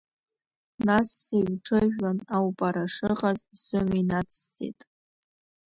Нас сыҩҽыжәлан аупара шыҟаз сымҩа инацсҵеит.